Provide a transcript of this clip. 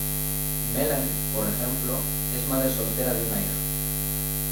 Melanie, por ejemplo, es madre soltera de una hija.